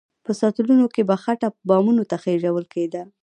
په سطلونو کې به خټه بامونو ته خېژول کېده.